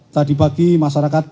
tadi bagi masyarakat